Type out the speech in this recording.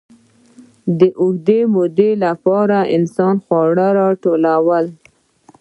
د اوږدې مودې لپاره انسان خواړه راټولول.